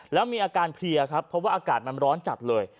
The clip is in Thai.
แล้วมีอาการเพลียครับเพราะว่าอากาศมันร้อนจัดเลย